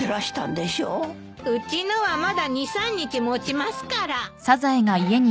うちのはまだ２３日持ちますから。